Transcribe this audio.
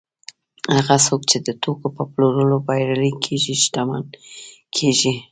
هغه څوک چې د توکو په پلورلو بریالي کېږي شتمن کېږي